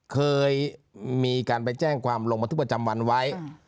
เคยมีการไปแจ้งความลงบันทึกประจำวันไว้